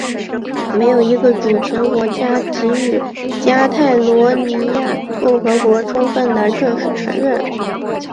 没有一个主权国家给予加泰罗尼亚共和国充分的正式承认。